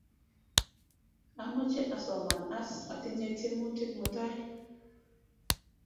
Amoche asoman as, atinye tyemutik mutai